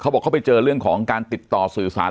บอกเขาไปเจอเรื่องของการติดต่อสื่อสาร